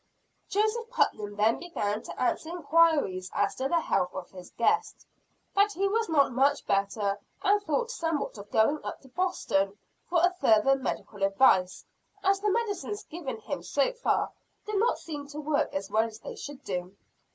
Joseph Putnam then began to answer inquiries as to the health of his guest, that he was not much better, and thought somewhat of going up to Boston for further medical advice as the medicines given him so far did not seem to work as well as they should do.